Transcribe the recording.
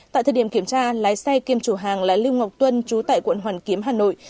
tại thời điểm kiểm tra lái xe kiêm chủ hàng là lưu ngọc tuân trú tại quận hoàn kiếm hà nội